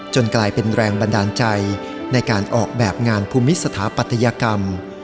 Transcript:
กลายเป็นแรงบันดาลใจในการออกแบบงานภูมิสถาปัตยกรรม